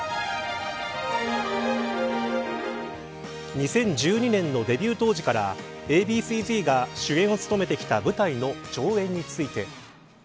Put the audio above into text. ２０１２年のデビュー当時からＡ．Ｂ．Ｃ．−Ｚが主演を務めてきた舞台の上演について。